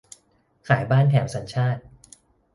ขายบ้านแถมสัญชาติ